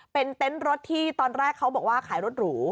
เป็นเต็นต์รถที่ตอนแรกเขาบอกว่าขายรถหรู